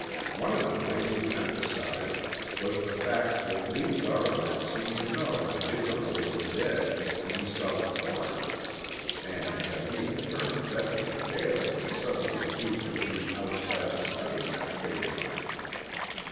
One of the things you emphasized was the fact that Lee Darwin had seemed to know that his uncle was dead when he saw the coroner, and that he had turned deathly pale when suddenly accused of being outside the study that fatal night.